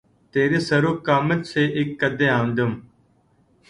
تیرے سرو قامت سے، اک قّدِ آدم